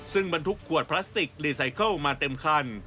ซึ่งบรรทุกขวดพลาสติกรีไซเคิลมาเต็มคัน